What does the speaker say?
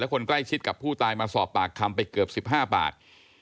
คนใกล้ชิดกับผู้ตายมาสอบปากคำไปเกือบ๑๕บาท